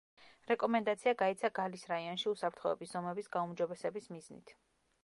რეკომენდაცია გაიცა გალის რაიონში უსაფრთხოების ზომების გაუმჯობესების მიზნით.